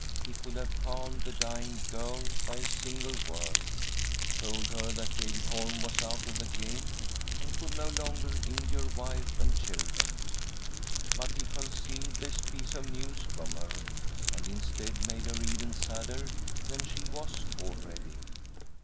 He could have calmed the dying girl by a single word— told her that David Holm was out of the game, and could no longer injure wife and children. But he concealed this piece of news from her, and, instead, made her even sadder than she was already.